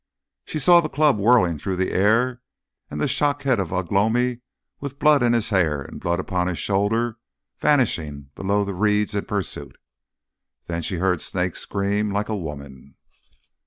She saw the club whirling through the air, and the shock head of Ugh lomi, with blood in the hair and blood upon the shoulder, vanishing below the reeds in pursuit. Then she heard Snake scream like a woman.